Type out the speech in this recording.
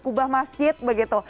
kubah masjid begitu